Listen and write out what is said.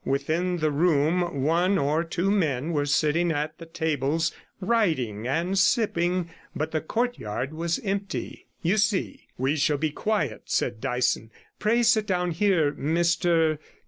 Within the room one or two men were sitting at the tables, writing and sipping, but the courtyard was empty. 'You see, we shall be quiet,' said Dyson. 'Pray sit down here, Mr